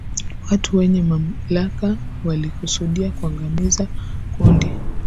watu wenye mamlaka walikusudia kuangamiza kundi